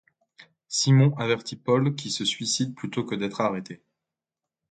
Simon avertit Paul qui se suicide plutôt que d'être arrêté.